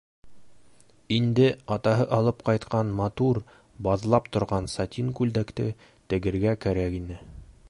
Инде атаһы алып ҡайтҡан матур, баҙлап торған сатин күлдәкте тегергә кәрәк ине.